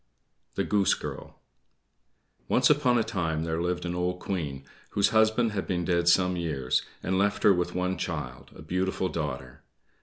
THE GOOSE GIRL Once upon a time there lived an old Queen, whose husband had been dead some years, and left her with one child, a beautiful daughter.